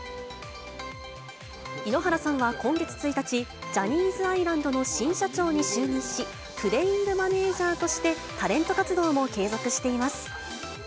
井ノ原さんは今月１日、ジャニーズアイランドの新社長に就任し、プレイングマネージャーとしてタレント活動も継続しています。